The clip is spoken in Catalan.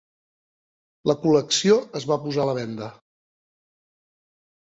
La col·lecció es va posar a la venda.